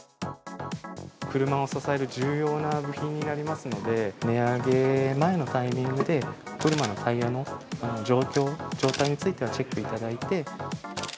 車を支える重要な部品になりますので、値上げ前のタイミングで、お車のタイヤの状況、状態についてはチェックいただいて。